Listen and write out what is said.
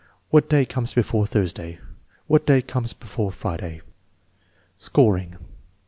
" What day comes before Thursday ?"" What day comes before Friday ?" Scoring.